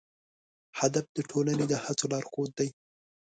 هدف د ټولنې د هڅو لارښود دی.